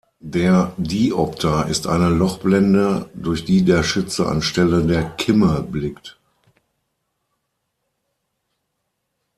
Der Diopter ist eine Lochblende, durch die der Schütze anstelle der Kimme blickt.